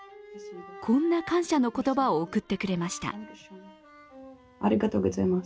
こんな感謝の言葉を贈ってくれました。